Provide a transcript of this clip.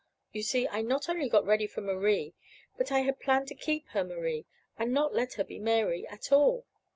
You see, I not only got ready for Marie, but I had planned to keep her Marie, and not let her be Mary at all."